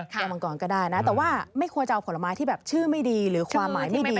ตัวมังกรก็ได้นะแต่ว่าไม่ควรจะเอาผลไม้ที่แบบชื่อไม่ดีหรือความหมายไม่ดี